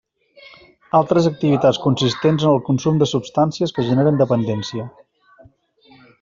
Altres activitats consistents en el consum de substàncies que generen dependència.